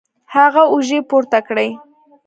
هغه اوږې پورته کړې